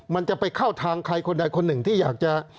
มันจะไปเข้าทางใครคนใดคนหนึ่งที่อยากจะ